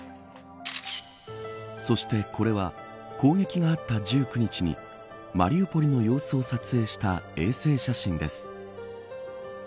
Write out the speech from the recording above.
そしてこれは攻撃があった１９日にマリウポリの様子を撮影した衛星写真です。